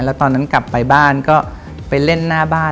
แล้วตอนนั้นกลับไปบ้านก็ไปเล่นหน้าบ้าน